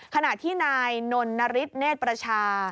ขณะที่นายนนริษณ์เนธประชา